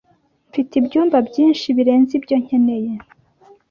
Mfite ibyumba byinshi birenze ibyo nkeneye.